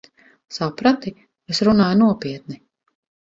Saprati? Es runāju nopietni.